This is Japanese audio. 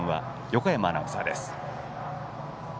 横山アナウンサーです。